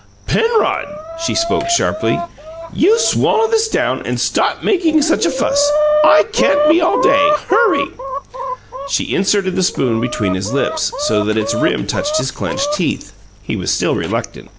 "Penrod!" She spoke sharply. "You swallow this down and stop making such a fuss. I can't be all day. Hurry." She inserted the spoon between his lips, so that its rim touched his clenched teeth; he was still reluctant.